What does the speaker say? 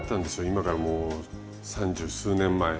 今からもう三十数年前。